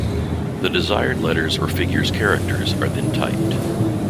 The desired letters or figures characters are then typed.